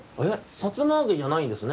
「さつまあげ」じゃないんですね。